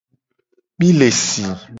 Mi le si.